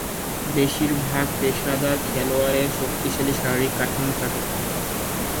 বেশীরভাগ পেশাদার খেলোয়াড়ের শক্তিশালী শারীরিক কাঠামো থাকে।